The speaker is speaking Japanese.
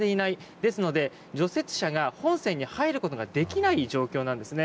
ですので除雪車が本線に入ることができない状況なんですね。